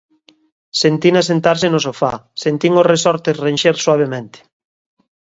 Sentina sentarse no sofá, sentín os resortes renxer suavemente.